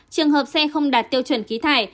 trường hợp xe không đạt tiêu chuẩn khí thải